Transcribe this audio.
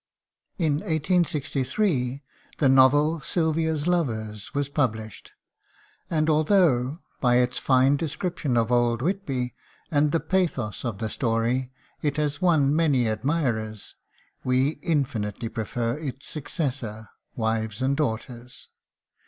In 1863 the novel "Sylvia's Lovers" was published, and although, by its fine description of old Whitby and the pathos of the story, it has won many admirers, we infinitely prefer its successor, "Wives and Daughters."